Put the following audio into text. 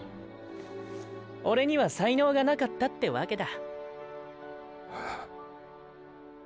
オレには才能がなかったってワケだ。